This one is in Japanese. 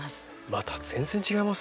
また全然違いますね。